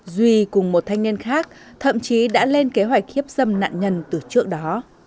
duy cùng một thanh niên khác thậm chí đã lên kế hoạch hiếp dâm nạn nhân từ trước đó